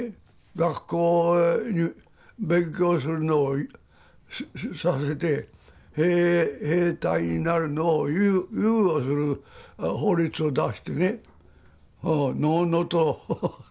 学校勉強するのをさせて兵隊になるのを猶予する法律を出してねのうのうとさしてると。